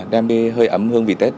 đem đi hơi ấm hương vị tết